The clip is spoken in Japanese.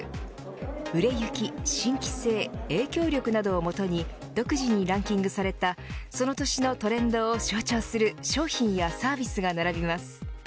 売れ行き、新規性、影響力などをもとに独自にランキングされたその年のトレンドを象徴する商品やサービスが並びます。